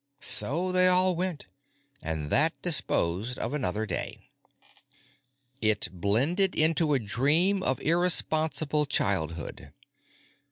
So they all went, and that disposed of another day. It blended into a dream of irresponsible childhood.